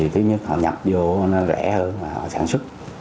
thứ nhất họ nhập vô rẻ hơn mà họ sản xuất